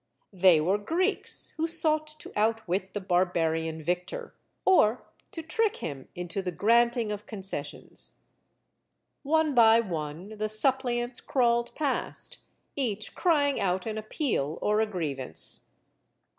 They were Greeks who sought to outwit the barbarian victor, or to trick him into the granting of concessions. One by one the suppliants crawled past, each crying out an appeal or a grievance.